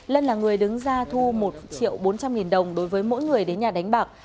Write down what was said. lân là người đứng ra thu một triệu bốn trăm linh nghìn đồng đối với mỗi người đến nhà đánh bạc